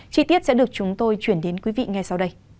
chi tiết sẽ được chúng tôi chuyển đến quý vị ngay sau đây